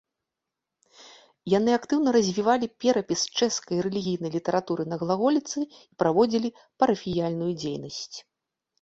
Яны актыўна развівалі перапіс чэшскай рэлігійнай літаратуры на глаголіцы і праводзілі парафіяльную дзейнасць.